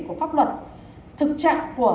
của pháp luật thực trạng của